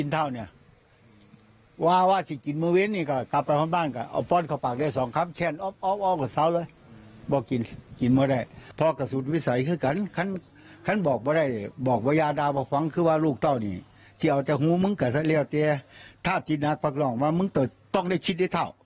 ถ้าหูมึงเกิดสักเร็วจะฆ่าจินักษ์ภักรองว่ามึงต้องได้ชิดให้เท่า